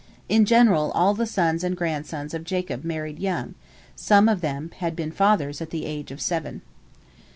In general, all the sons and grandsons of Jacob had married young, some of them had been fathers at the age of seven.